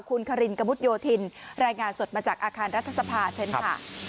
คุณคารินกระมุดโยธินรายงานสดมาจากอาคารรัฐสภาเชิญค่ะ